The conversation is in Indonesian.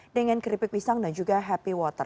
dengan keripik pisang dan juga happy water